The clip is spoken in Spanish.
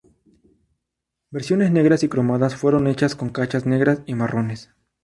Versiones negras y cromadas fueron hechas con cachas negras y marrones.